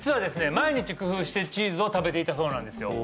毎日工夫してチーズを食べていたそうなんですよ